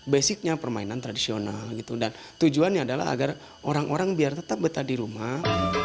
basicnya permainan tradisional gitu dan tujuannya adalah agar orang orang biar tetap betah di rumah